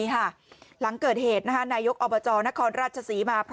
หลังเกิดเหตุนายกอบจนครราชศรีมา